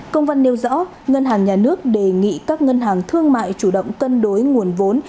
công văn nêu rõ ngân hàng nhà nước đề nghị các ngân hàng thương mại chủ động cân đối nguồn vốn